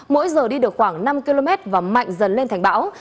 mỗi giờ đi được khoảng năm km và mạnh dần lên thành bão